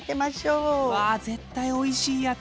うわ絶対おいしいやつ。